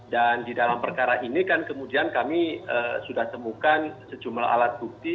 di dalam perkara ini kan kemudian kami sudah temukan sejumlah alat bukti